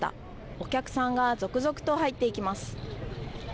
お客さんが続々と入っていきます。